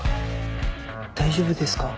大丈夫ですか？